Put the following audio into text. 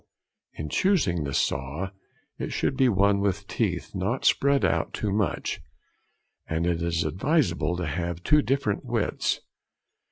In choosing the saw, it should be one with the teeth not spread out too much; and it is advisable to have two of different widths.